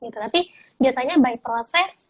tapi biasanya by proses